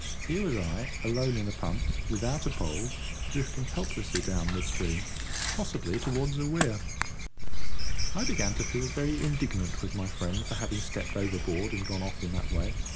Here was I, alone in a punt, without a pole, drifting helplessly down mid stream—possibly towards a weir. I began to feel very indignant with my friend for having stepped overboard and gone off in that way.